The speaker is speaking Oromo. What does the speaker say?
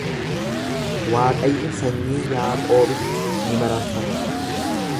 Waaqayyo sanyii Yaaqoobitti ni mararfata.